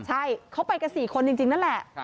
ใช่เขาไปกัน๔คนจริงนั่นแหละ